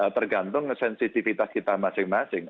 tergantung sensitivitas kita masing masing